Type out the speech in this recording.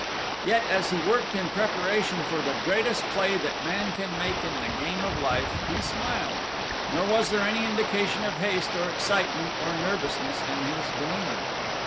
Yet as he worked in preparation for the greatest play that man can make in the game of life, he smiled; nor was there any indication of haste or excitement or nervousness in his demeanor.